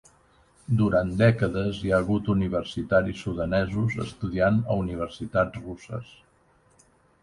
Durant dècades hi ha hagut universitaris sudanesos estudiant a universitats russes.